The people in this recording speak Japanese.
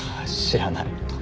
知らない。